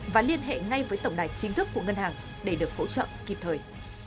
và liên hệ ngay với tổng đài chính thức của ngân hàng để được hỗ trợ kịp thời